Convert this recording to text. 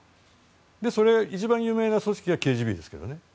それが一番有名な組織というのがＫＧＢですけどね。